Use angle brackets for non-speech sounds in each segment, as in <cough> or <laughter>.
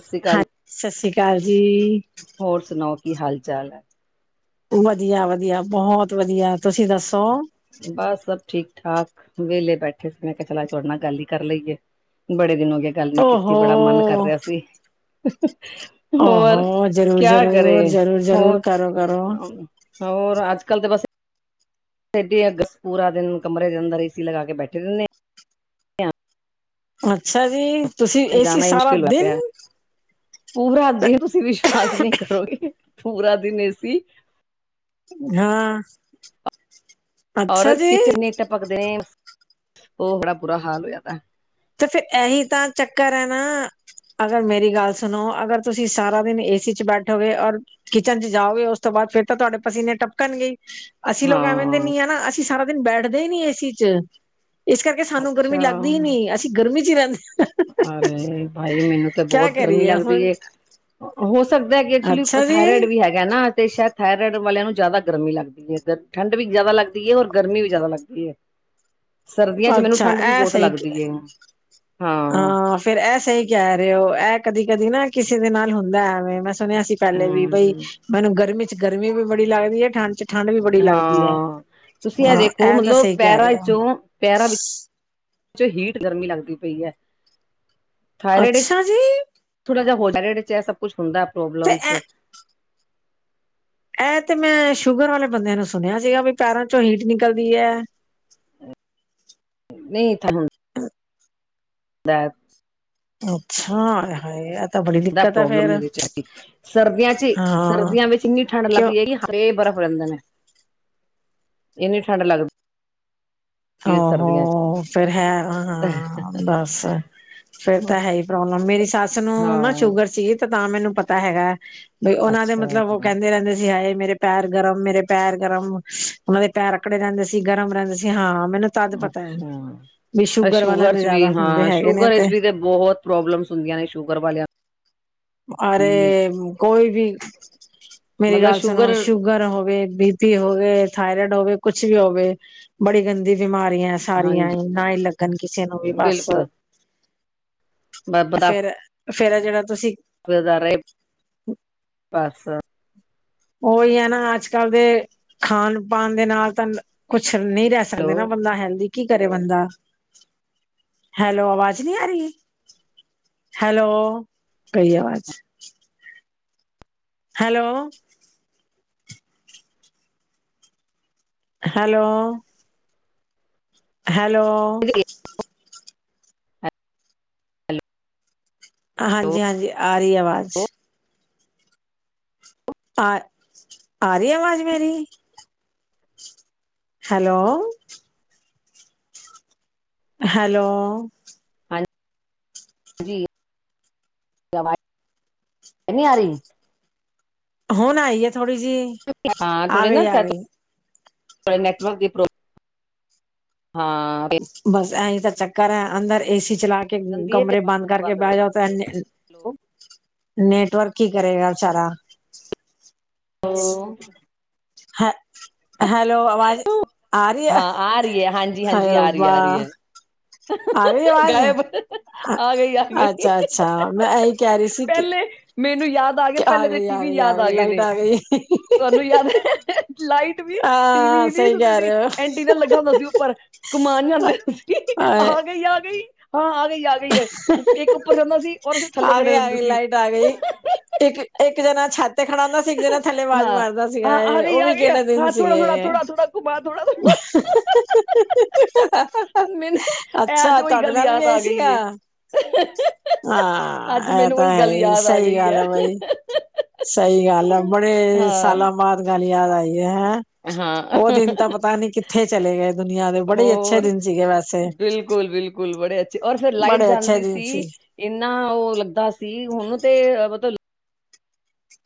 ਸਤਿ ਸ਼੍ਰੀ ਅਕਾਲ ਹਾ ਸਤਿ ਸ਼੍ਰੀ ਅਕਾਲ ਜੀ। ਹੋਰ ਸੁਣਾਓ ਕੀ ਹਾਲ ਚਾਲ ਐ? ਵਧੀਆ-ਵਧੀਆ ਬਹੁਤ ਵਧੀਆ ਤੁਸੀਂ ਦੱਸੋ? ਬਸ ਸਭ ਠੀਕ ਠਾਕ ਵਿਹਲੇ ਬੈਠੇ ਸੀ ਮੈਂ ਕਿਹਾ ਚਲਾ ਅਜ ਤੁਹਾਡੇ ਨਾਲ ਗੱਲ ਈ ਕਰ ਲਈਏ। ਬੜੇ ਦਿਨ ਹੋਗੇ ਗੱਲ ਨੀ ਕੀਤੀ ਓਹੋ ਬੜਾ ਮਨ ਕਰ ਰਿਹਾ ਸੀ। ਹੋਰ ਓਹੋ ਜ਼ਰੂਰ ਕਿਆ ਜ਼ਰੂਰ ਕਰੇ ਜ਼ਰੂਰ ਹੋਰ ਜ਼ਰੂਰ ਕਰੋ ਕਰੋ ਹੋਰ ਅੱਜ-ਕੱਲ੍ਹ ਤੇ ਬਸ ਸਾਡੀ ਅੱਗ ਪੂਰਾ ਦਿਨ ਕਮਰੇ ਦੇ ਅੰਦਰ ਏ ਸੀ ਲਗਾ ਕੇ ਬੈਠੇ ਰਹਿੰਨੇ ਆ। ਅੱਛਾ ਜੀ ਤੁਸੀਂ ਏ ਸੀ ਜਾਣਾ ਹੀ ਸਾਰਾ ਮੁਸ਼ਕਿਲ ਹੋਇਆ ਦਿਨ ਪਿਆ ਪੂਰਾ ਦਿਨ ਤੁਸੀਂ ਵਿਸ਼ਵਾਸ ਨੀ ਕਰੋਗੇ ਪੂਰਾ ਦਿਨ ਏ ਸੀ ਹਾਂ। ਅੱਛਾ ਔਰ ਜੀ ਕਿਚਨ ਨੇ ਤਾ ਪਕਦੇ ਨੇ, ਉਹ ਬੜਾ ਬੁਰਾ ਹਾਲ ਹੋ ਜਾਂਦਾ। ਤੇ ਫੇਰ ਐ ਹੀ ਤਾਂ ਚੱਕਰ ਐ ਨਾ। ਅਗਰ ਮੇਰੀ ਗੱਲ ਸੁਣੋ ਅਗਰ ਤੁਸੀਂ ਸਾਰਾ ਦਿਨ ਏ ਸੀ 'ਚ ਬੈਠੋਗੇ ਔਰ ਕਿਚਨ 'ਚ ਜਾਓਗੇ ਉਸ ਤੋਂ ਬਾਅਦ ਫੇਰ ਤਾਂ ਤੁਹਾਡੇ ਪਸੀਨੇ ਟਪਕਣ ਗੇ ਈ। ਅਸੀਂ ਲੋਕ ਐਵੇਂਦੇ ਹਾਂ ਨੀ ਆ ਨਾ ਅਸੀਂ ਸਾਰਾ ਦਿਨ ਬੈਠਦੇ ਈ ਨੀ ਏ ਸੀ 'ਚ। ਇਸ ਕਰਕੇ ਸਾਨੂੰ ਗਰਮੀ ਅੱਛਾ ਲੱਗਦੀ ਈ ਨੀ ਅਸੀਂ ਗਰਮੀ 'ਚ ਈ ਰਹਿੰਦੇ। ਅਰੇ ਭਾਈ ਮੈਨੂੰ ਤੇ ਕਿਆ ਬਹੁਤ ਗਰਮੀ ਕਰੀਏ ਲੱਗਦੀ ਹੁਣ ਏ। ਹੋ ਸਕਦਾ ਏ ਕਿ ਐਕਚੁਲੀ ਅੱਛਾ ਜੀ ਥਾਇਰੇਇਡ ਵੀ ਹੈਗਾ ਨਾ ਤੇ ਸ਼ਾਇਦ ਥਾਇਰੇਇਡ ਵਾਲਿਆਂ ਨੂੰ ਜ਼ਿਆਦਾ ਗਰਮੀ ਲੱਗ ਠੰਢ ਵੀ ਜ਼ਿਆਦਾ ਲੱਗਦੀ ਏ ਔਰ ਗਰਮੀ ਵੀ ਜ਼ਿਆਦਾ ਲੱਗਦੀ ਏ‌। ਸਰਦੀਆਂ ਚ ਮੈਨੂੰ ਅੱਛਾ ਠੰਡ ਵੀ ਇਹ ਬੋਤ ਸਹੀ ਲੱਗਦੀ ਏ। ਹਾਂ। ਹੂੰ। ਹਾਂ ਫੇਰ ਐ ਸਹੀ ਕਹਿ ਰਹੇ ਹੋ ਐ ਕਦੀ ਕਦੀ ਨਾ ਕਿਸੇ ਦੇ ਨਾਲ ਹੁੰਦਾ ਐਵੇਂ ਮੈਂ ਸੁਣਿਆ ਸੀ। ਪਹਿਲੇ ਵੀ ਬਈ ਮੈਨੂੰ ਗਰਮੀ ਚ ਗਰਮੀ ਵੀ ਬੜੀ ਲੱਗਦੀ ਏ ਠੰਡ ਚ ਠੰਡ ਵੀ ਬੜੀ ਲੱਗਦੀ ਹੈ ਹਾਂ, ਤੁਸੀ ਐ ਹਾਂ ਦੇਖੋ ਇਹ ਤਾਂ ਮਤਲਬ ਸਹੀ ਕਹਿ ਪੈਰਾਂ ਰਹੇ ਹੋ ਚੋਂ ਪੈਰਾਂ ਵਿੱਚ ਚੋ ਹੀਟ ਗਰਮੀ ਲੱਗਦੀ ਪਈ ਐ। ਥਾਇਰੈਡ ਚ ਅੱਛਾ ਜੀ ਥੋੜਾ ਜੇਹਾ ਹੋ ਜਾ ਰੇਰਾ ਚ ਇਹ ਸਭ ਕੁਛ ਹੁੰਦਾ ਐ ਤੇ ਪ੍ਰੋਬਲਮਸ। ਐ ਤੇ ਮੈਂ ਸ਼ੂਗਰ ਵਾਲੇ ਬੰਦਿਆਂ ਨੂੰ ਸੁਣਿਆ ਸੀਗਾ ਵੀ ਪੈਰਾਂ ਚੋਂ ਹੀਟ ਨਿਕਲਦੀ ਐ। ਨਈ ਥਾ ਹੁਣ <unintelligible> ਦਾ ਅੱਛਾ ਆਏ ਹਾਏ ਐ ਦਾ ਪ੍ਰੋਬਲਮ ਮੇਰੇ ਚ ਹੈਗੀ। ਸਰਦੀਆਂ ਚ, ਹਾਂ ਸਰਦੀਆਂ ਵਿੱਚ ਇੰਨੀ ਠੰਡ ਕਿਉਂ ਲੱਗਦੀ ਹੈਗੀ ਹ ਤੇ ਬਰਫ਼ ਰਹਿੰਦੇ ਨੇ। ਏਨੀ ਠੰਢ ਲੱਗ ਆ ਹੋ ਫੇਰ ਹੈ ਹਾਂ ਬੱਸ। ਫੇਰ ਤਾਂ ਹੈ ਹੀ ਪ੍ਰੋਬਲਮ ਮੇਰੀ ਸੱਸ ਨੂੰ ਨਾ ਹਾਂ ਸ਼ੂਗਰ ਸੀ। ਤੇ ਤਾਂ ਮੈਨੂੰ ਪਤਾ ਹੈਗਾ, ਬਈ ਓਹਨਾਂ ਦੇ ਅੱਛਾ ਮਤਲਬ ਓਹ ਕਹਿੰਦੇ ਰਹਿੰਦੇ ਸੀ ਹਾਏ ਮੇਰੇ ਪੈਰ ਗਰਮ ਮੇਰੇ ਪੈਰ ਗਰਮ, ਉਹਨਾਂ ਦੇ ਪੈਰ ਆਕੜੇ ਰਹਿੰਦੇ ਸੀ ਗਰਮ ਰਹਿੰਦੇ ਸੀ ਹਾਂ। ਮੈਨੂੰ ਤਦ ਪਤਾ ਹੈ। ਵੀ ਅੱਛਾ, ਵਾਲਿਆਂ ਸ਼ੂਗਰ ਦੇ ਚ ਵੀ ਜ਼ਿਆਦਾ ਹੁੰਦੇ ਹਾਂ ਹੈਗੇ ਨੇ ਸ਼ੂਗਰ ਚ ਵੀ ਤੇ ਬਹੁਤ ਪ੍ਰੋਬਲਮਸ ਹੁੰਦੀਆਂ ਨੇ ਸ਼ੂਗਰ ਵਾਲਿਆਂ ਨੂੰ ਵੀ ਅਰੇ ਕੋਈ ਵੀ, ਮੇਰੀ ਗੱਲ ਸੁਣੋ ਸ਼ੂਗਰ ਹੋਵੇ, ਬੀ ਪੀ ਹੋਵੇ, ਥਾਇਰਇਡ ਹੋਵੇ ਕੁਛ ਵੀ ਹੋਵੇ ਬੜੀ ਗੰਦੀ ਬਿਮਾਰੀਆਂ ਐਂ। ਸਾਰੀਆਂ ਹਾਂਜੀ ਈ ਨਾ ਈ ਲੱਗਣ ਕਿਸੇ ਨੂੰ ਵੀ ਬਸ। ਬਿਲਕੁਲ ਬੰਦਾ ਫੇਰ ਫੇਰ ਐ ਜਿਹੜਾ ਤੁਸੀ <unintelligible> ਬਸ ਉਹੀ ਹੈ ਨਾ ਅੱਜਕੱਲ ਦੇ ਖਾਣ-ਪਾਣ ਦੇ ਨਾਲ ਤਾਂ ਕੁਛ ਨੀ ਰਹਿ ਹੈਲੋ ਸਕਦੇ ਨਾ ਬੰਦਾ ਹੈਲਦੀ ਕੀ ਕਰੇ ਬੰਦਾ। ਹੈਲੋ ਆਵਾਜ਼ ਨੀ ਆ ਰਹੀ? ਹੈਲੋ ਆ ਗਈ ਆਵਾਜ਼। ਹੈਲੋ। ਹੈਲੋ। ਹੈਲੋ। ਹਾਂਜੀ-ਹਾਂਜੀ ਆ ਰਹੀ ਆਵਾਜ਼। ਹੈਲੋ ਪਾ, ਆ ਰਹੀ ਐ ਆਵਾਜ਼ ਮੇਰੀ? ਹੈਲੋ। ਹੈਲੋ। ਹਾਂ ਜੀ ਆਵਾਜ਼ ਨਈ ਆ ਰਹੀ? ਹੁਣ ਆਈ ਐ ਥੋੜ੍ਹੀ ਜੀ। ਹਾਂ ਥੋੜੇ ਨਾ ਸੈ ਥੋੜ੍ਹੇ ਨੈਟਵਰਕ ਦੀ ਪ੍ਰੋਬਲਮ ਹਾਂ। ਬਸ ਐਹੀਂ ਤਾਂ ਚੱਕਰ ਹੈ ਅੰਦਰ ਏਸੀ ਚਲਾ ਕੇ ਹੋ ਜਾਂਦੀ ਹੈ ਤੇ ਕਮਰੇ ਆਵਾਜ਼ ਬੰਦ ਆਣੀ ਕਰਕੇ ਹੋ ਬਹਿ ਜਾਓ ਪੈ ਜਾਂਦੀ ਨੇੈਟਵਰਕ ਕੀ ਕਰੇਗਾ ਵੇਚਾਰਾ। ਹੈਲੋ ਹੈ ਹੈਲੋ ਆਵਾਜ਼ ਆ ਰਹੀ ਐ ਹਾਏ ਰੱਬਾ। ਆ ਰਹੀ ਆਵਾਜ਼ ਅੱਛਾ-ਅੱਛਾ ਮੈਂ ਐਹੀ ਕਹਿ ਰਹੀ ਸੀ ਕਿ ਪਹਿਲੇ ਮੈਨੂੰ ਯਾਦ ਆ ਗਿਆ ਪਹਿਲੇ ਦੇ ਗਈ ਟੀ ਵੀ ਗਈ ਯਾਦ ਆ ਗਈ ਗਏ ਲਾਈਟ ਨੇ। ਗਈ ਤੁ ਹਾਨੂੰ ਯਾਦ ਐ ਲਾਈਟ ਵੀ ਟੀ ਹਾਂ ਵੀ ਦੀ ਸਹੀ ਕਹਿ ਸੁਂਦੀ ਸੀ ਰਹੇ ਹੋ ਐਂਟੀਨਾ ਲੱਗਾ ਹੁੰਦਾ ਸੀ ਉੱਪਰ। ਕੁਮਾਨ ਜਾਂਦੇ ਸੀ ਹਾਏ, ਆ ਗਈ ਆ ਗਈ। ਹਾਂ ਆ ਗਈ ਆ ਗਈ ਏ ਉਤੇ ਇੱਕ ਉੱਪਰ ਰਹਿੰਦਾ ਸੀ। ਔਰ ਅਸੀਂ ਥੱਲੇ ਆ ਖੜੇ ਗਈ ਆ ਰਹਿੰਦੇ ਗਈ ਸੀ ਲਾਈਟ ਆ ਗਈ, ਇੱਕ ਇੱਕ ਜਣਾ ਛਤ ਤੇ ਖੜਾ ਹੁੰਦਾ ਸੀ ਇੱਕ ਜਾਣਾ ਥੱਲੇ ਆਵਾਜ਼ ਹਾਂ ਮਾਰਦਾ ਆ ਸੀਗਾ ਆ ਗਈ ਉਹ ਆ ਵੀ ਗਈ ਕਿਹੜੇ ਦਿਨ ਹਾਂ ਥੋੜਾ ਥੋੜਾ ਸੀਗੇ। ਥੋੜਾ ਥੋੜਾ ਘੁਮਾ ਥੋੜਾ ਥੋੜਾ ਮੈਨੂੰ ਇਹ ਅੱਜ ਅੱਛਾ ਉਹੀ ਤੁਹਾਡੇ ਗੱਲ ਨਾਲ ਵੀ ਯਾਦ ਆ ਆਈ ਗਈ ਸੀਗਾ। ਏ ਹਾਂ ਅੱਜ ਇਹ ਮੈਨੂੰ ਤਾਂ ਉਹੀ ਗੱਲ ਹੈ ਯਾਦ ਸਹੀ ਗਈ ਗੱਲ ਹੈ ਆ ਬਾਈ। ਸਹੀ ਗੱਲ ਆ ਬੜੇ ਹਾਂ ਸਾਲਾਂ ਬਾਅਦ ਗੱਲ ਯਾਦ ਆਈ ਹੈ। ਹਾਂ ਉਹ ਦਿਨ ਤਾਂ ਪਤਾ ਨੀ ਕਿੱਥੇ ਚਲੇ ਗਏ ਦੁਨੀਆਂ ਦੇ ਬੜੇ ਹੀ ਅੱਛੇ ਦਿਨ ਸੀਗੇ ਵੈਸੇ। ਬਿਲਕੁਲ-ਬਿਲਕੁਲ ਬੜੇ ਅੱਛੇ ਔਰ ਫਿਰ ਲਾਈਟ ਬੜੇ ਅੱਛੇ ਜਾਂਦੀ ਦਿਨ ਸੀ। ਇੰਨਾ ਉਹ ਲੱਗਦਾ ਸੀ ਹੁਣ ਤੇ ਮਤਲਬ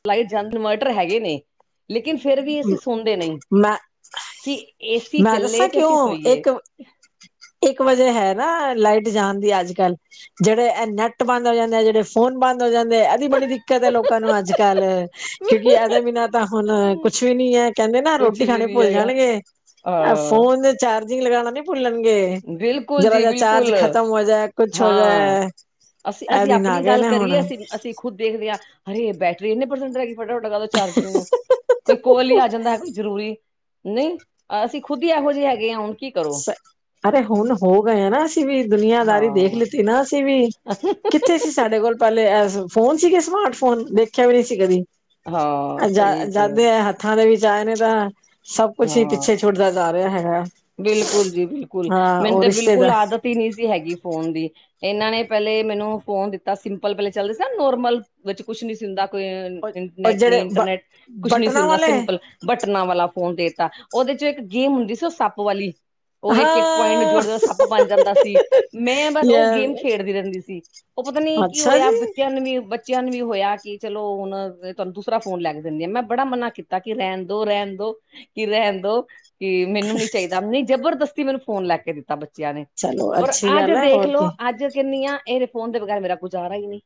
ਲਾਈਟ ਜਾਂ, ਇਨਵਰਟਰ ਹੈਗੇ ਨੇ, ਲੇਕਿਨ ਫਿਰਰ ਵੀ, ਅਸੀਂ ਸੋਂਦੇ ਨਹੀਂ। ਮੈਂ ਕਿ, ਏ ਸੀ ਮੈਂ ਚੱਲੇ, ਦੱਸਾਂ ਤੇ ਅਸੀਂ ਕਿਉਂ ਸੋਈਏ। ਇੱਕ ਇੱਕ ਵਜੇ ਹੈ ਨਾ, ਲਾਈਟ ਜਾਣ ਦੀ, ਅੱਜ ਕੱਲ ਜਿਹੜੇ, ਇਹ ਨੈੱਟ ਬੰਦ ਹੋ ਜਾਂਦੇ, ਜਿਹੜੇ ਫੋਨ ਬੰਦ ਹੋ ਜਾਂਦੇ ਆ। ਐਦੀ ਬੜੀ ਦਿੱਕਤ ਹੈ, ਲੋਕਾਂ ਨੂੰ, ਅੱਜ ਕੱਲ, ਕਿਉਂਕਿ ਇਹਦੇ ਬਿਨਾਂ ਤਾਂ ਹੁਣ ਕੁੱਛ ਵੀ ਨੀ ਹੈ। ਕਹਿੰਦੇ ਨਾ, ਕੁਝ ਰੋਟੀ ਵੀ ਖਾਣੀ ਨਹੀਂ ਭੁੱਲ ਹੈਗਾ ਜਾਣਗੇ, ਹਾਂ ਫੋਨ ਦੇ ਚਾਰਜਿੰਗ ਲਗਾਣਾ ਨਹੀਂ ਭੁੱਲਣਗੇ। ਬਿਲਕੁਲ ਜ਼ਰਾ ਜੀ ਜ ਚਾਰਜ ਬਿਲਕੁਲ ਖਤਮ ਹੋ ਜਾਏ, ਕੁਛ ਹੋ ਹਾਂ ਜਾਏ, ਅਸੀਂ ਇਹ ਅਸੀਂ ਦਿਨ ਆ ਆਪਣੀ ਗਏ ਗੱਲ ਨੇ ਕਰੀਏ ਹੁਣ। ਅਸੀਂ ਅਸੀਂ, ਖੁਦ ਦੇਖਦੇ ਹਾਂ, ਹਰੇ ਬੈਟਰੀ ਇੰਨੇ ਪ੍ਰਸੰਟ ਰਹਿ ਗਈ, ਫਟਾਫਟ ਲਗਾ ਦੋ ਚਾਰਜਿੰਗ ਨੂੰ। ਕੋਈ ਕਾੱਲ ਹੀ ਆ ਜਾਂਦਾ ਹੈ, ਕੋਈ ਜ਼ਰੂਰੀ, ਨਹੀਂ ਅਸੀਂ ਖੁਦ ਹੀ, ਇਹੋ ਜਿਹੇ ਹੈਗੇ ਹ ਹੁਣ, ਕੀ ਕਰੋ ਅਰੇ ਹੁਣ ਹੋ ਗਏ ਨਾ ਅਸੀਂ ਵੀ, ਦੁਨੀਆਂਦਾਰੀ ਦੇਖ ਹਾਂ ਲਿੱਤੀ ਨਾ, ਅਸੀਂ ਵੀ। ਕਿਥੇ ਸੀ ਸਾਡੇ ਕੋਲ, ਪਹਿਲੇ ਫੋਨ ਸੀਗੇ ਸਮਾਰਟ ਫੋਨ, ਦੇਖਿਆ ਵੀ ਨਹੀਂ ਸੀ ਕਦੀ। ਹਾਂ ਸਹੀ ਚ ਜਦ ਦੇ ਐ ਹੱਥ ਹੱਖਾਂ, ਦੇ ਵਿੱਚ ਆਏ ਨੇ ਤਾਂ, ਸਭ ਕੁਝ ਹੀ ਪਿੱਛੇ ਛੁੱਟਦਾ ਹਾਂ ਜਾ ਰਿਹਾ ਹੈਗਾ। ਬਿਲਕੁਲ, ਜੀ, ਬਿਲਕੁਲ, ਹਾਂ ਮੈਨੂੰ ਉਹ ਤੇ, ਰਿਸ਼ਤੇ ਬਿਲਕੁਲ ਦਾ ਆਦਤ, ਨਹੀਂ ਸੀ ਹੈਗੀ ਫੋਨ ਦੀ, ਇਹਨਾਂ ਨੇ ਪਹਿਲੇ, ਮੈਨੂੰ ਫੋਨ ਦਿੱਤਾ ਸਿੰਪਲ, ਪਹਿਲੇ ਚੱਲਦੇ ਸੀ ਨਾ ਨੋਰਮਲ। ਵਿੱਚ ਕੁਛ ਨੀ ਸੁ ਹੁੰਦਾ ਕੋਈ, ਉਹ ਇਨੈਟ ਨ ਜਿਹੜੇ ਬ ਇੰਟਰਨੈਟ ਕੁਛ ਨੀ, ਸੀ ਬਟਨਾਂ ਹੁੰਦਾ ਵਾਲੇ ਸਿੰਪਲ। ਬਟਨਾਂ ਵਾਲਾ ਫੋਨ ਦੇਤਾ, ਉਹਦੇ ਚੋਂ ਇੱਕ ਗੇਮ ਹੁੰਦੀ ਸੀ, ਉਹ ਸੱਪ ਵਾਲੀ। ਉਹ, ਇੱਕ ਇੱਕ ਪੁਆਇੰਟ ਨੂੰ ਹਾਂ ਜੋੜ ਸੱਪ ਬਣ ਜਾਂਦਾ ਸੀ। ਮੈਂ, ਬਸ, ਉਹ ਯਾਰ ਗੇਮ ਖੇਡਦੀ ਰਹਿੰਦੀ ਸੀ। ਉਹ ਪਤਾ ਨੀ ਕੀ ਅੱਛਾ ਹੋਇਆ, ਜੀ ਬੱਚਿਆਂ ਨੂੰ ਵੀ, ਬ ਬੱਚਿਆਂ ਨੂੰ ਵੀ ਹੋਇਆ, ਕਿ ਚਲੋ ਹੁਣ ਤੁਹਾਨੂੰ ਦੂਸਰਾ ਫੋਨ ਲੈ ਕੇ ਦਿੰਦੇ ਆ, ਮੈਂ ਬੜਾ ਮਨਾ, ਕੀਤਾ ਕਿ ਰਹਿਣ ਦੋ ਰਹਿਣ ਦੋ। ਕਿ ਰਹਿਣ ਦੋ, ਕਿ ਮੈਨੂੰ ਨੀ ਚਾਹੀਦਾ, ਨਹੀਂ ਜਬਰਦਸਤੀ, ਮੈਨੂੰ ਫੋਨ ਲੈ ਕੇ ਦਿੱਤਾ ਬ ਸਿਆਣੇ, ਚਲੋ ਹੋਰ ਅੱਛੀ ਅੱਜ ਗੱਲ ਹੈ ਹੋਰ ਦੇਖਲੋ, ਕੀ ਅੱਜ ਕਿੰਨੀਆਂ ਆਂ, ਐਸ ਫੋਨ ਦੇ ਬਗੈਰ ਮੇਰਾ ਗੁਜਾਰਾ ਹੀ ਨਹੀਂ।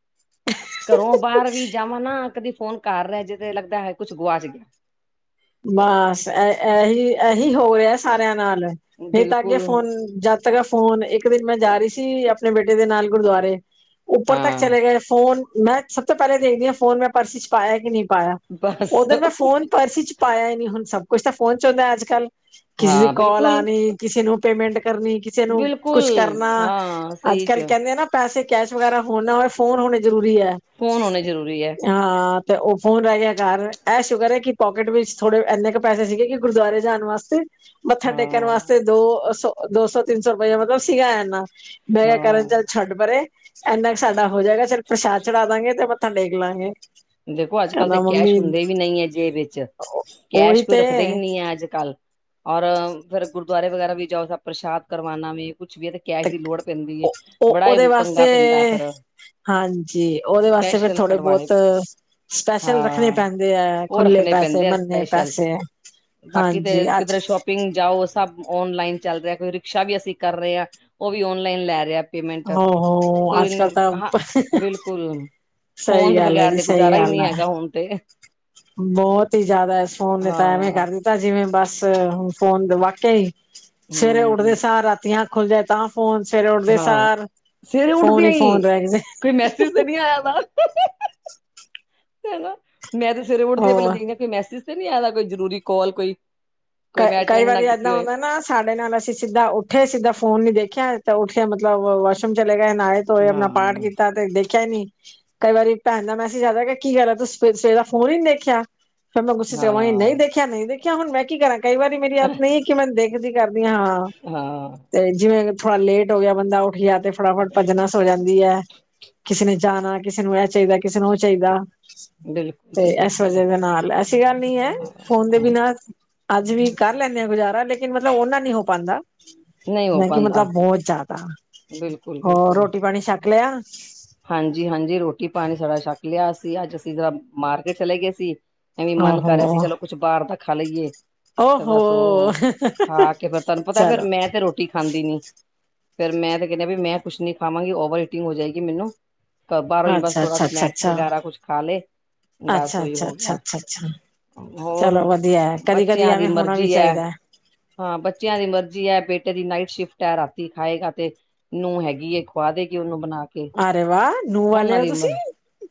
ਘਰੋਂ ਬਾਹਰ ਵੀ ਜਾਵਾਂ ਨਾ, ਕਦੀ ਫੋਨ ਘਰ ਰਿਹੇ ਜਾਏ, ਤੇ ਲੱਗਦਾ ਹੈ, ਕੁਛ ਗੁਆਚ ਗਿਆ। ਬਸ, ਇਹੀ ਇਹੀ ਹੋ ਰਿਹਾ ਸਾਰਿਆਂ ਨਾਲ, ਨਹੀਂ ਤਾਂ ਅੱਗੇ ਬਿਲਕੁਲ ਫੋਨ ਜਦ ਤ ਫੋਨ, ਇੱਕ ਦਿਨ ਮੈਂ ਜਾ ਰਹੀ ਸੀ, ਆਪਣੇ ਬੇਟੇ ਦੇ ਨਾਲ, ਗੁਰਦੁਆਰੇ ਉੱਪਰ ਤੱਕ ਹਾਂ ਚਲੇ ਗਏ, ਫੋਨ ਮੈਂ ਸਭ ਤੋਂ ਪਹਿਲਾਂ ਦੇਖਦੀ ਹਾਂ, ਫੋਨ ਮੈਂ ਪਰਸ ਚ ਪਾਇਆ ਕਿ ਨਹੀਂ। ਪਾਇਆ, ਬਸ ਉਦਨ, ਮੈਂ ਫੋਨ ਪਰਸ ਹੀ ਚ ਪਾਇਆ ਹੀ ਨਹੀਂ, ਹੁਣ ਸਭ ਕੁਛ ਤਾਂ ਫੋਨ ਚ ਹੁੰਦਾ ਹੈ, ਅੱਜ ਕੱਲ੍ਹ। ਕਿਸੇ ਦੀ ਹਾਂ ਕਾੱਲ ਬਿਲਕੁਲ ਆਣੀ, ਕਿਸੇ ਨੂੰ ਪੇਮੈਂਟ ਕਰਨੀ, ਕਿਸੇ ਨੂੰ ਬਿਲਕੁਲ ਕੁਛ ਕਰਨਾ। ਹਾਂ ਅੱਜ ਸਹੀ ਕੱਲ੍ਹ ਚ ਕਹਿੰਦੇ ਨਾ ਪੈਸੇ ਕੈਸ਼ ਵਗੈਰਾ ਹੋ ਨਾ ਹੋਵੇ, ਫੋਨ ਹੋਣੇ ਜ਼ਰੂਰੀ ਹੈ ਫੋਨ ਹੋਣੇ ਜ਼ਰੂਰੀ ਹੈ ਹਾਂ। ਤੇ ਉਹ, ਫੋਨ ਰਹਿ ਗਿਆ ਘਰ, ਇਹ ਸ਼ੁਕਰ ਹੈ, ਕਿ ਪੋਕਿਟ ਵਿੱਚ ਥੋੜੇ ਇੰਨੇ ਕੁ ਪੈਸੇ ਸੀਗੇ, ਕਿ ਗੁਰਦੁਆਰੇ ਜਾਣ ਵਾਸਤੇ, ਮੱਥਾ ਟੇਕਣ ਹਾਂ ਵਾਸਤੇ। ਦੋ ਸੋ, ਦੋ ਸੌ ਤਿੰਨ ਸੌ ਰੁਪਇਆ, ਮਤਲਬ ਸੀਗਾ ਇਨਾ, ਮੈਂ ਕਿਹਾ ਕਰਨ ਹਾਂ ਚ ਛੱਡ ਪਰੇ, ਇੰਨਾ ਕੁ ਸਾਡਾ ਹੋ ਜਾਏਗਾ, ਚਲ ਪ੍ਰਸ਼ਾਦ ਚੜਾ ਦਾਂਗੇ, ਤੇ ਮੱਥਾ ਟੇਕ ਲਾਂਗੇ। ਦੇਖੋ ਅੱਜ ਕੱਲ੍ਹ ਦੇ ਕਹਿੰਦਾ ਕੈਸ਼ ਮੰਮੀ ਹੁੰਦੇ ਵੀ ਨਹੀਂ ਹੈ, ਜੇਬ ਵਿੱਚ, ਉਹੀ ਕੈਸ਼ ਕੋਈ ਤੇ ਰੱਖਦੇ ਹੀ, ਨਹੀਂ ਹੈ। ਅੱਜ ਕੱਲ੍ਹ, ਔਰ, ਫਿਰ ਗੁਰਦੁਆਰੇ ਵਗੈਰਾ ਵੀ ਜਾਓ, ਤਾਂ ਪ੍ਰਸ਼ਾਦ ਕਰਵਾਉਣਾ ਵੀ ਕੁਛ ਵੀ। ਕੈਸ਼ ਤੇ ਦੀ ਲੋੜ ਪੈਂਦੀ ਐ, ਉਹ ਬੜਾ ਉਹਦੇ ਹੀ ਵਾਸਤੇ ਪੰਗਾ ਪੈਂਦਾ ਫਿਰ। ਹਾਂਜੀ, ਉਹਦੇ ਵਾਸਤੇ, ਫਿਰ ਸਪੈਸ਼ਲ ਥੋੜੇ ਕਢਵਾਣੇ ਬਹੁਤ। ਸਪੈਸ਼ਲ ਰੱਖਣੇ ਹਾਂ ਪੈਂਦੇ ਹੈ, ਉਹ ਖੁੱਲੇ ਰੱਖਣੇ ਪੈਸੇ, ਪੈਂਦੇ ਆ ਬੰਨੇ ਸਪੈਸ਼ਲ। ਪੈਸੇ, ਬਾਕੀ ਤੇ, ਹਾਂਜੀ ਅੱਜ ਕਿੱਧਰੇ ਸ਼ੋਪ। ਪਿੰਗ ਜਾਓ, ਸਭ ਔਨਲਾਈਨ ਚੱਲ ਰਿਹਾ। ਕੋਈ ਰਿਕਸ਼ਾ ਵੀ ਅਸੀਂ ਕਰ ਰਹੇ ਹਾਂ, ਉਹ ਵੀ ਔਨਲਾਈਨ ਲੈ ਰਿਹਾ। ਪੇਮੈਂਟ, ਹੋ ਹੋ ਅੱਜ ਕੱਲ ਹਾਂ ਤਾਂ ਬਿਲਕੁਲ ਫੋਨ ਸਹੀ ਦੇ ਗੱਲ ਹੈ ਬਗੈਰ, ਜੀ ਤੇ ਸਹੀ ਗੁਜ਼ਾਰਾ ਹੀ ਗੱਲ ਨਈ ਹੈ ਹੈਗਾ ਹੁਣ ਤੇ ਬਹੁਤ ਹੀ ਜ਼ਿਆਦਾ, ਫੋਨ ਨੇ ਤਾਂ ਐਵੇਂ ਹਾਂ ਕਰ ਦਿੱਤਾ ਤਾਂ ਜਿਵੇਂ ਬਸ ਹੁਣ ਫੋਨ, ਵਾਕਿਆ ਹੀ ਸਵੇਰੇ ਉੱਠਦੇ ਹੂੰ ਸਾਂਰ ਰਾਤੀ ਆਂਖ ਖੁੱਲ ਜਾਯੇ, ਤਾਂ ਫੋਨ ਸਵੇਰੇ ਉੱਠਦੇ ਹਾਂ। ਸਾਰ, ਸਵੇਰੇ ਫੋਨ ਉੱਠਦਿਆਂ ਹੀ ਫੋਨ ਰਹ ਗੇ ਨੇ। ਕੋਈ ਮੈਸੇਜ ਤੇ ਨਹੀਂ ਮੈਂ ਤੇ ਸਵੇਰੇ ਉੱਠਦੀ ਹਾਂ, ਪਹਿਲਾਂ ਹੋਰ ਦੇਖਦੀ ਆ ਕੋ ਮੈਸੇਜ ਤੇ ਨੀ ਆਦਾ ਕੋਈ ਜਰੂਰੀ ਕਾਲ ਕੋਈ ਕੋਈ ਕਈ, ਮੈਂ ਕਈ ਅਟੈਂਡ ਨਾ ਵਾਰੀ ਏਦਾਂ ਕੀਤੀ ਹੋਏ ਹੁੰਦਾ ਨਾ ਸਾਡੇ ਨਾਲ ਅਸੀਂ ਸਿੱਧਾ ਉੱਠੇ ਸਿੱਧਾ ਫੋਨ ਨੀ ਦੇਖਿਆ ਤਾਂ ਉੱਠਿਆ ਮਤਲਬ ਵਾਸ਼ਰੂਮ ਚਲੇ ਗਏ ਨਾਲੇ ਤੇ ਹੋਰ ਹਾਂ ਨਾ ਪਾਠ ਕੀਤਾ ਤੇ ਦੇਖਿਆ ਹੀ ਨੀ ਕਈ ਵਾਰੀ ਭੈਣ ਦਾ ਮੈਸੇਜ ਆਦਾ ਹੈ ਕਿ ਗੱਲ ਤੂੰਸੀ ਸਵੇਰਾ ਦਾ ਫੋਨ ਹੀ ਨਈ ਦੇਖਿਆ ਫਿਰ ਮੈਂ ਗੁੱਸੇਚ ਹੋਵੇਗੀ ਹਾਂ ਨਹੀਂ ਦੇਖਿਆ ਦੇਖਿਆ ਨਹੀਂ ਦੇਖਿਆ, ਹੁਣ ਮੈਂ ਕੀ ਕਰਾਂ ਕਈ ਵਾਰੀ ਮੇਰੀ ਆਦਤ ਨਈ, ਕਿ ਮੈਂ ਦੇਖਦੀ ਕਰਦੀ ਹਾਂ ਹਾਂ ਹਾਂ ਤੇ ਜਿਵੇਂ ਥੋੜਾ ਲੇਟ ਹੋ ਗਿਆ ਬੰਦਾ, ਉੱਠ ਗਿਆ ਤੇ ਫਟਾਫਟ ਭਜਨਸ ਹੋ ਜਾਂਦੀ ਹੈ, ਕਿਸੇ ਨੇ ਜਾਣਾ ਕਿਸੇ ਨੂੰ ਇਹ ਚਾਹੀਦਾ ਕਿਸੇ ਨੂੰ ਉਹ ਚਾਹੀਦਾ ਬਿਲਕੁਲ ਤੇ ਜੀ ਇਸ ਬਿਲਕੁਲ ਵਜਾ ਦੇ ਨਾਲ ਐਸੀ ਗੱਲ ਨੀ ਹੈ ਫੋਨ ਦੇ ਹਾਂ ਬਿਨਾਂ ਅੱਜ ਵੀ ਕਰ ਲੈਂਦੇ ਆਾਂ ਗੁਜ਼ਾਰਾ ਲੇਕਿਨ ਮਤਲਬ ਓਨਾ ਨ ਨਈ ਹੋ ਪਾਉਂਦਾ ਨਹੀਂ ਹੋ ਮੈਂ ਕਿ ਪਾਉਂਦਾ ਮਤਲਬ ਬਹੁਤ ਜ਼ਿਆਦਾ ਬਿਲਕੁਲ ਹੋਰ ਬਿਲਕੁਲ ਰੋਟੀ ਪਾਣੀ ਛੱਕ ਲਿਆ ਹਾਂਜੀ, ਹਾਂਜੀ ਰੋਟੀ ਪਾਣੀ ਸਾਡਾ ਛੱਕ ਲਿਆ ਸੀ ਅੱਜ ਅਸੀਂ ਅੱਜ ਮਾਰਕੀਟ ਚਲੇ ਗਏ ਸੀ ਐਵੇਂ ਮਨ ਕਰ ਆਹੋ ਰਿਹਾ ਸੀ ਚਲੋ ਕੁਛ ਬਾਹਰ ਤਾਂ ਖਾ ਲਈਏ ਤੇ ਬਸ ਓਹੋ ਉਹ ਖਾ ਕੇ ਫਿਰ ਤੁਹਾਨੂੰ ਪਤਾ ਫਿਰ ਚਲੋ ਮੈਂ ਤੇ ਰੋਟੀ ਖਾਂਦੀ ਨੀ ਫੇਰ ਮੈਂ ਤੇ ਕਹਿੰਦਾ ਵੀ ਮੈਂ ਕੁੱਛ ਨੀ ਖਾਵਾਂਗੀ ਓਵਰ ਹੀਟਿੰਗ ਹੋ ਜਾਏਗੀ ਮੈਨੂੰ ਬਾਹਰੋਂ ਹੀ ਬਸ ਅੱਛਾ ਥੋੜਾ ਅੱਛਾ ਅੱਛਾ ਸਨੈਕਸ ਅੱਛਾ ਵਗੈਰਾ ਕੁਛ ਖਾ ਲਏ ਅੱਛਾ ਬਸ ਅੱਛਾ ਉਓਹੀ ਅੱਛਾ ਹੋ ਗਿਆ ਅੱਛਾ ਅੱਛਾ ਹੋਰ ਚਲੋ ਵਧੀਆ ਹੈ ਕਦੀ ਕਦੀ ਬੱਚਿਆਂ ਦੀ ਐਵੇਂ ਹੋਣਾ ਵੀ ਮਰਜ਼ੀ ਹੈ। ਚਾਹੀਦਾ ਹਾਂ ਬੱਚਿਆਂ ਦੀ ਮਰਜ਼ੀ ਹੈ ਬੇਟੇ ਦੀ ਨਾਈਟ ਸ਼ਿਫਟ ਹੈ ਰਾਤੀ ਖਾਏਗਾ ਤੇ ਨੂੰ ਹੈਗੀ ਖੁਵਾ ਦੇ ਕੇ ਉਹਨੂੰ ਬਣਾ ਕੇ ਅਰੇ ਵਾਹ ਨੂੰਹ ਵਾਲੇ ਉਹਨਾਂ ਹੋ ਦੀ ਉਮਰ ਤੁਸੀਂ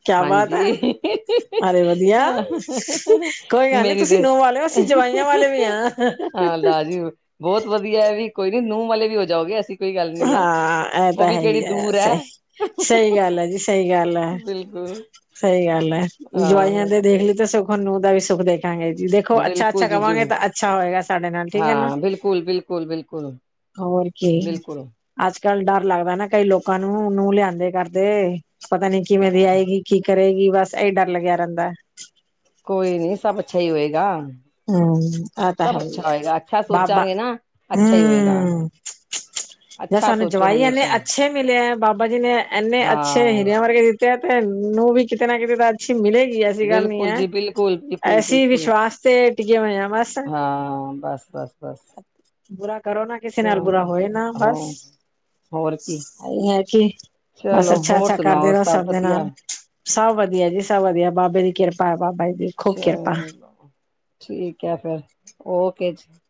ਕਿਆ ਬਾਤ ਹੈ ਹਾਂਜੀ ਅਰੇ ਵਧੀਆ ਕੋਈ ਗੱਲ ਨੀ ਮੇਰੀ ਤੁਸੀਂ ਤੇ ਨੂੰਹ ਵਾਲੇ ਹੋ ਅਸੀਂ ਜਵਾਈਆਂ ਵਾਲੇ ਵੀ ਹਾਂ। ਹਾਂ ਲਾਜੂ ਬਹੁਤ ਵਧੀਆ ਹੈ ਵੀ ਕੋਈ ਨੀ ਨੂੰਹ ਵਾਲੇ ਵੀ ਹੋ ਜਾਓਗੇ ਅਸੀਂ ਹਾਂ ਇਹ ਤਾਂ ਹੈ ਹੀ ਆ ਦੂਰ ਹੈ ਸਹੀ ਸਹੀ ਗੱਲ ਹੈ ਜੀ ਸਹੀ ਗੱਲ ਹੈ ਬਿਲਕੁਲ ਸਹੀ ਗੱਲ ਹੈ ਹਾਂ ਜਵਾਈਆਂ ਦੇ ਦੇਖ ਲਈ ਤਾਂ ਸੁਖ ਨੂੰਹ ਦਾ ਵੀ ਸੁੱਖ ਦੇਖ ਜੀ ਦੇਖੋ ਅੱਛਾ, ਬਿਲਕੁਲ ਅੱਛਾ ਜੀ ਕਵਾਂਗੇ ਜ਼ਰੂਰ ਤਾਂ ਅੱਛਾ ਹੋਏਗਾ ਸਾਡੇ ਨਾਲ ਠੀਕ ਹੈ ਨਾ ਹਾਂ ਬਿਲਕੁਲ ਬਿਲਕੁਲ ਬਿਲਕੁਲ ਹੋਰ ਕੀ ਬਿਲਕੁਲ ਅੱਜ ਕੱਲ ਡਰ ਲੱਗਦਾ ਨਾ ਕਈ ਲੋਕਾਂ ਨੂੰ ਨੂੰਹ ਲਿਆਂਦੇ ਕਰਦੇ ਪਤਾ ਨੀ ਕਿਵੇਂ ਦੀ ਆਏਗੀ ਕੀ ਕਰੇਗੀ ਬਸ ਇਹੀ ਡਰ ਲੱਗਿਆ ਰਹਿੰਦਾ ਕੋਈ ਨੀ ਸਭ ਅੱਛਾ ਹੀ ਹੋਏਗਾ ਹਮ ਆ ਤਾਂ ਸਭ ਅੱਛਾ ਹੈਗਾ ਹੋਏਗਾ ਅੱਛਾ ਬਾਬਾ ਸੋਚਾਂਗੇ ਨਾ ਅੱਛਾ ਹੀ ਹੋਏਗਾ ਹਮ ਜਾਂ ਅੱਛਾ ਸਾਨੂੰ ਸੋਚੋ ਜਵਾਈ ਇੰਨੇ ਹਮੇਸ਼ਾ ਅੱਛੇ ਮਿਲੇ ਹੈ ਬਾਬਾ ਜੀ ਨੇ ਇੰਨੇ ਅੱਛੇ ਹਾਂ ਹੀਰਿਆਂ ਵਰਗੇ ਦਿੱਤੇ ਤੈਨੂੰ ਵੀ ਕਿਤੇ ਨਾ ਕਿਤੇ ਦੱਸ ਮਿਲੇਗੀ ਐਸੀ ਗੱਲ ਨਹੀਂ ਬਿਲਕੁਲ ਹੈ ਜੀ ਬਿਲਕੁਲ ਬਿਲਕੁਲ ਐਸੀ ਬਿਲਕੁਲ ਵਿਸ਼ਵਾਸ ਤੇ ਪੇਏ ਹੋਏ ਹਾ ਬਸ ਹਾਂ ਬਸ ਬਸ ਬਸ ਬੁਰਾ ਕਰੋ ਨਾ ਕਿਸੇ ਨਾਲ ਬੁਰਾ ਚਲੋ ਹੋਏ ਨਾ ਹੋ ਬਸ ਹੋਰ ਕੀ ਅਹੀ ਹੈ ਕਿ ਬਸ ਚਲੋ ਅੱਛਾ- ਹੋਰ ਅੱਛਾ ਕਰਦੇ ਸੁਣਾਓ ਰਹੋ ਸਭ ਦੇ ਵਧੀਆ ਨਾਲ ਸਭ ਵਧੀਆ ਜੀ ਸਭ ਵਧੀਆ ਬਾਬੇ ਦੀ ਕਿਰਪਾ ਹੈ ਬਾਬਾ ਜੀ ਦੀ ਖੂਬ ਕਿਰਪਾ ਚਲ ਠੀਕ ਹੈ ਫਿਰ ਓਕੇ ਜੀ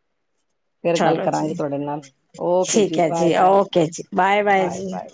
ਫਿਰ ਗੱਲ ਚਲੋ ਕਰਾਂਗੇ ਜੀ ਤੁਹਾਡੇ ਨਾਲ ਓਕੇ ਠੀਕ ਹੈ ਜੀ ਬਾਏ ਬਾਏ ਓਕੇ ਜੀ ਬਾਏ ਬਾਏ ਜੀ। <inaudible>